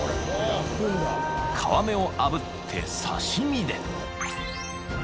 ［皮目をあぶって刺し身で］